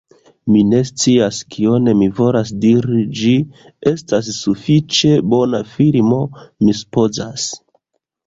Mi ne scias kion mi volas diri ĝi estas sufiĉe bona filmo, mi supozas